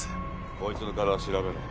こいつの体調べろ。